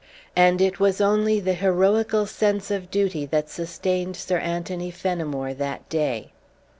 And it was only the heroical sense of duty that sustained Sir Anthony Fenimore that day.